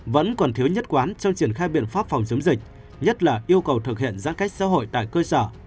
vẫn còn thiếu nhất quán trong triển khai biện pháp phòng chống dịch nhất là yêu cầu thực hiện giãn cách xã hội tại cơ sở